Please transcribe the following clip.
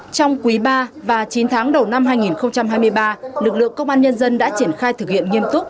trong quý ba và chín tháng đầu năm hai nghìn hai mươi ba lực lượng công an nhân dân đã triển khai thực hiện nghiêm túc